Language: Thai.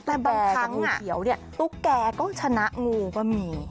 แต่บางครั้งอ่ะตุ๊กแก่ก็ชนะงูก็มี